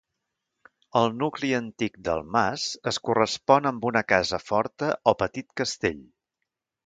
El nucli antic del mas es correspon amb una casa forta o petit castell.